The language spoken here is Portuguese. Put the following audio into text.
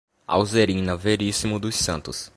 Alzerina Verissimo dos Santos